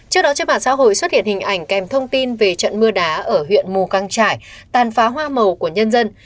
trước đó trên mạng xã hội xuất hiện hình ảnh kèm thông tin về trận mưa đá ở huyện mù căng trải tàn phá hoa màu của nhân dân